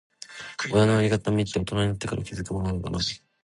親のありがたみって、大人になってから気づくものなのかな。